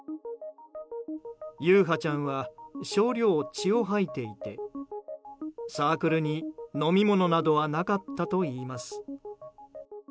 優陽ちゃんは少量血を吐いていてサークルに飲み物などはなかったといいます。